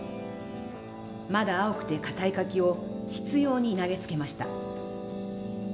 まだ青くてかたい柿を執ように投げつけました。